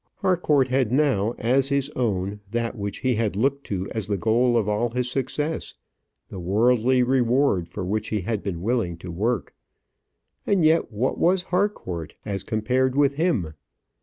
Harcourt had now as his own that which he had looked to as the goal of all his success, the worldly reward for which he had been willing to work. And yet what was Harcourt as compared with him?